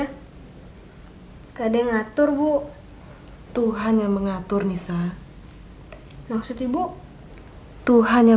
tidak ada yang ngatur bu tuhan yang mengatur nisa maksud ibu tuhan yang